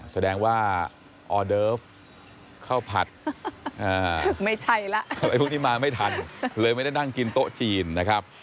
แสดงว่าออเดิฟข้าวผัดไม่ใช่แล้วอะไรพวกนี้มาไม่ทันเลยไม่ได้นั่งกินโต๊ะจีนนะครับ